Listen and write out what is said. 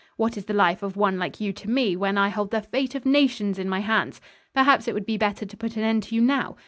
What is the life of one like you to me, when I hold the fate of nations in my hands? Perhaps it would be better to put an end to you now.